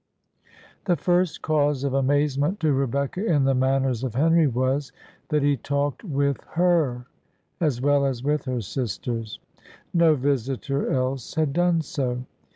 The first cause of amazement to Rebecca in the manners of Henry was, that he talked with her as well as with her sisters; no visitor else had done so.